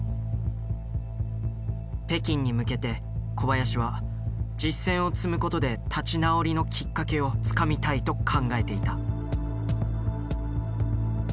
北京に向けて小林は実戦を積むことで立ち直りのきっかけをつかみたいと考えていた。